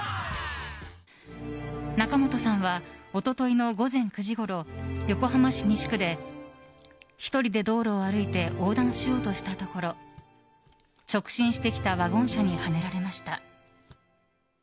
仲本さんは一昨日の午前９時ごろ横浜市西区で１人で道路を歩いて横断しようとしたところ直進してきたワゴン車にはねられました。